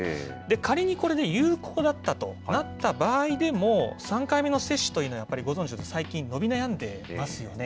仮にこれで有効だったとなった場合でも、３回目の接種というのは、ご存じのように、最近伸び悩んでいますよね。